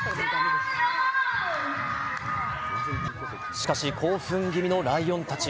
しかし、興奮気味のライオンたち。